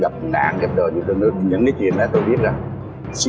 trong lúc hills